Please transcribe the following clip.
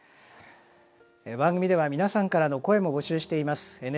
番組では皆さんからの声も募集しています。